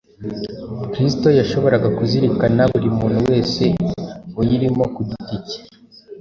Kristo yashoboraga kuzirikana buri muntu wese uyirimo ku giti cye.